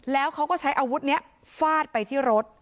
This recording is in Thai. แล้วเขาก็ใช้อาวุธนี้ฟาดไปที่รถ